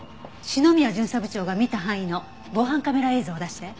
篠宮巡査部長が見た範囲の防犯カメラ映像を出して。